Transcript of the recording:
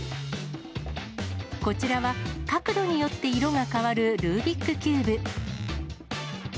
こちらは角度によって色が変わるルービックキューブ。